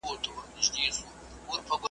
که می غوږ پر نغمه کښېږدې ټوله ژوند پسرلی کېږی ,